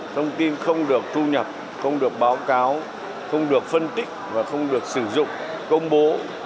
thông tin không được thu nhập không được báo cáo không được phân tích và không được sử dụng công bố